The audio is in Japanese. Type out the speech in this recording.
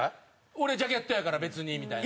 「俺ジャケットやから別に」みたいな。